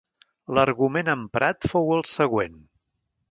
L'argument emprat fou el següent.